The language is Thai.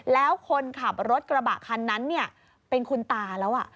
แล้วคนขับรถกระบะคันนั้นเป็นคุณตาแล้ว